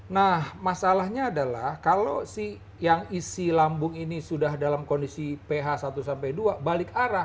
nah masalahnya adalah kalau si yang isi lambung ini sudah dalam kondisi ph satu sampai dua balik arah